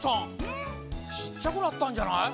ちっちゃくなったんじゃない？